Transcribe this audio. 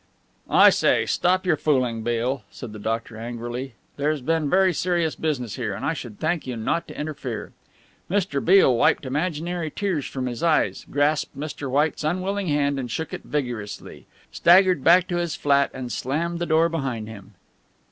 "I say, stop your fooling, Beale," said the doctor angrily, "there's been very serious business here, and I should thank you not to interfere." Mr. Beale wiped imaginary tears from his eyes, grasped Mr. White's unwilling hand and shook it vigorously, staggered back to his flat and slammed the door behind him.